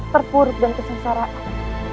terpuruk dan kesengsaraan